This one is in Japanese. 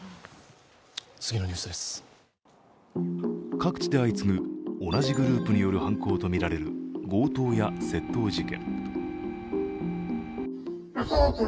各地で相次ぐ同じグループによる犯行とみられる強盗・窃盗事件。